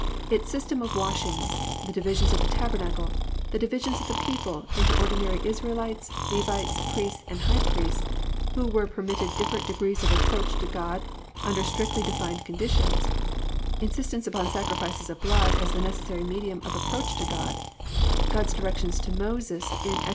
Its system of washings; the divisions of the tabernacle; the divisions of the people into ordinary Israelites, Levites, Priests and High Priests, who were permitted different degrees of approach to God under strictly defined conditions, insistence upon sacrifices of blood as the necessary medium of approach to God; God's directions to Moses in Ex.